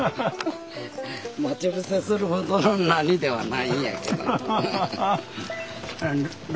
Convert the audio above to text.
待ち伏せするほどの何ではないんやけど。